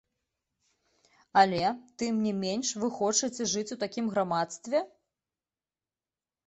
Але, тым не менш, вы хочаце жыць у такім грамадстве?